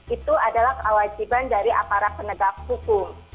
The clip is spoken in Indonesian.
itu adalah kewajiban dari aparat penegak hukum